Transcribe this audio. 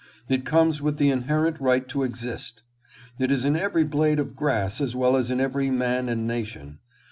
It comes with the inherent right to exist. It is in every blade of grass as well as in every man and nation.